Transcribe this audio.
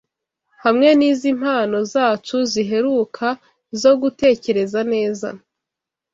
Hamwe nizi mpano zacu ziheruka zo gutekereza neza